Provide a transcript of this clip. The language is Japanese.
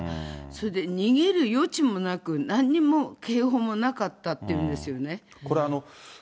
それで逃げる余地もなく、なんにも警報もなかったっていうんですよね。